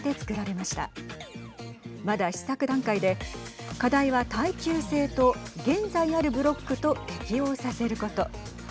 まだ試作段階で課題は耐久性と現在あるブロックと適応させること。